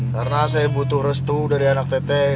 karena saya butuh restu dari anak teteh